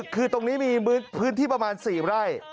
คือตรงนี้มีพื้นที่ประมาณ๔ไร่